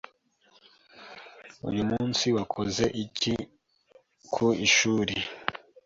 Uyu munsi wakoze iki ku ishuri?